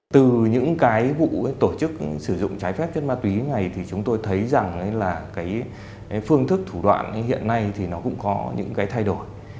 từ những vụ tổ chức sử dụng trái phép chất ma túy này chúng tôi thấy rằng phương thức thủ đoạn hiện nay cũng có những thay đổi